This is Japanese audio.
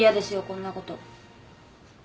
こんなこと。